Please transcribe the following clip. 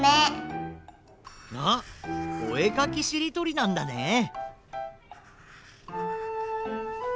あっおえかきしりとりなんだね。